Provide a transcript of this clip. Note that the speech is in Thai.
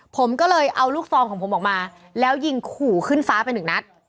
ผมก็เลยเอาลูกซองของผมออกมาแล้วยิงขู่ขึ้นฟ้าไปหนึ่งนัด